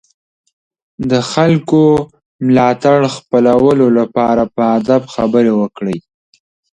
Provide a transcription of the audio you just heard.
د خلکو ملاتړ خپلولو لپاره په ادب خبرې وکړئ.